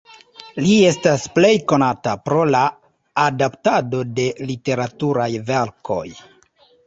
Li estas plej konata pro la adaptado de literaturaj verkoj.